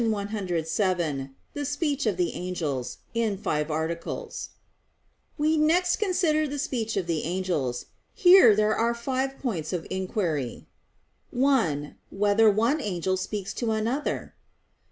_______________________ QUESTION 107 THE SPEECH OF THE ANGELS (In Five Articles) We next consider the speech of the angels. Here there are five points of inquiry: (1) Whether one angel speaks to another?